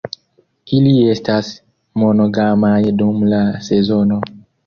Ili estas monogamaj dum la sezono.